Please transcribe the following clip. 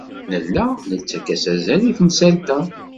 Nella nettakf-as azal i temsalt-a.